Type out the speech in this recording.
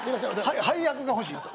配役が欲しい。